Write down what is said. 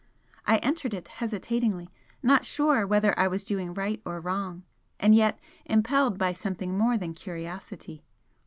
I entered it hesitatingly, not sure whether I was doing right or wrong, and yet impelled by something more than curiosity.